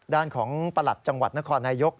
ด้านของประหลัดจังหวัดนครนายก